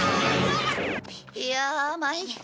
いやあまいった。